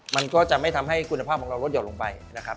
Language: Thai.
มันก็จะไม่ทำให้คุณภาพของเราลดหย่อนลงไปนะครับ